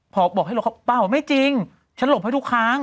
พอบอกให้หลบเขาเปล่าไม่จริงฉันหลบให้ทุกครั้ง